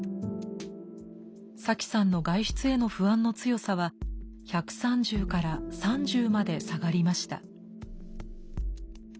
サキさんの外出への不安の強さは１３０から３０まで下がりました。